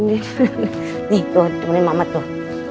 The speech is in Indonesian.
ini tuh temanin mbak mat tuh